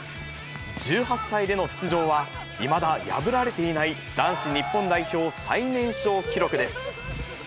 １８歳での出場は、いまだ破られていない男子日本代表最年少記録です。